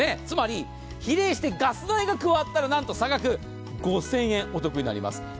つまり、比例してガス代が加わったら、なんと差額５０００円お得になります。